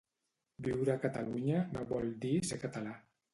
Viure a Catalunya no vol dir ser català